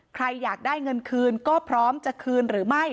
ใครอยากได้เงินคืนก็พร้อมจะคืนหรือไม่